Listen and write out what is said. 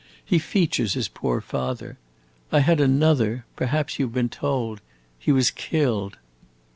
He features his poor father. I had another perhaps you 've been told. He was killed."